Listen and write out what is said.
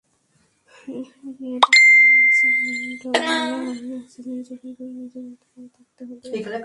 ওখানে গিয়ে চাল-ডাল, পানি-অক্সিজেন জোগাড় করে নিজের মতো করে থাকতে হবে।